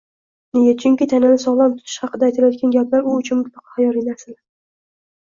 Nega? Chunki tanani sog‘lom tutish haqida aytilayotgan gaplar u uchun mutlaqo xayoliy narsalar